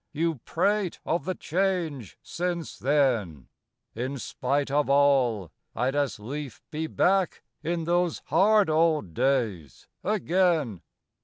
you prate of the change 'since then' In spite of all, I'd as lief be back in those hard old days again.